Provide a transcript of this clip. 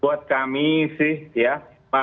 buat kami sih ya